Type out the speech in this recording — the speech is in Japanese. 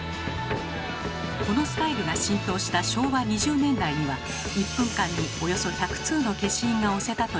このスタイルが浸透した昭和２０年代には１分間におよそ１００通の消印が押せたと言われています。